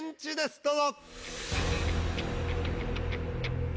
どうぞ。